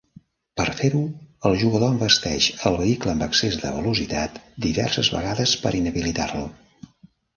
Per fer-ho, el jugador envesteix el vehicle amb excés de velocitat diverses vegades per inhabilitar-lo.